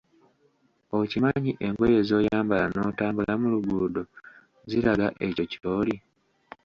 Okimanyi engoye z‘oyambala n‘otambula mu luguudo ziraga ekyo ky‘oli?